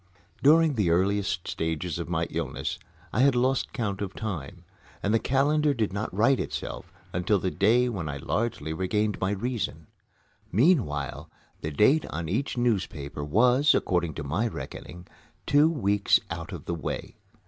During the earliest stages of my illness I had lost count of time, and the calendar did not right itself until the day when I largely regained my reason. Meanwhile, the date on each newspaper was, according to my reckoning, two weeks out of the way.